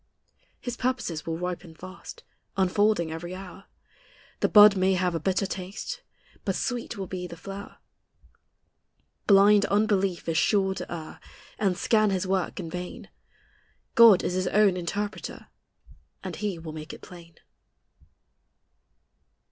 His purposes will ripen fast, Unfolding every hour; The bud may have a bitter taste. But sweet will be the flower. Blind unbelief is sure to err, And scan His work in vain: God is His own interpreter, And He will make it plain.